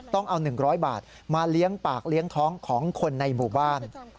ต้องเอา๑๐๐บาทมาเลี้ยงปากเลี้ยงท้องของคนในหมู่บ้าน